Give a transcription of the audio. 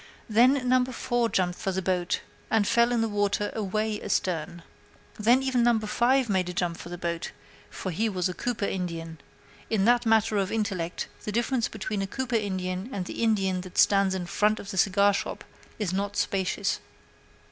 Then No. 4 jumped for the boat, and fell in the water away astern. Then even No. 5 made a jump for the boat for he was a Cooper Indian. In the matter of intellect, the difference between a Cooper Indian and the Indian that stands in front of the cigarshop is not spacious.